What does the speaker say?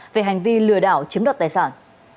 về hành vi lừa đảo chiếm đoạt tài sản